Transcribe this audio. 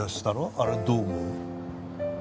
あれどう思う？